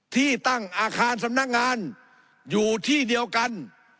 ที่ตั้งอาคารสำนักงานอยู่ที่เดียวกัน